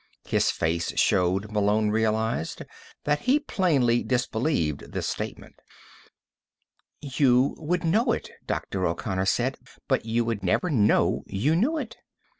His face showed, Malone realized, that he plainly disbelieved this statement. "You would know it," Dr. O'Connor said, "but you would never know you knew it.